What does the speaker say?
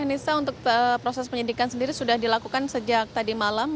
anissa untuk proses penyidikan sendiri sudah dilakukan sejak tadi malam